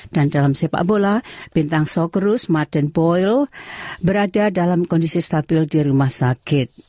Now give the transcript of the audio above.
dan dalam sepak bola bintang sokerus martin boyle berada dalam kondisi stabil di rumah sakit